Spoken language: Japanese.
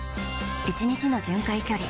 １日の巡回距離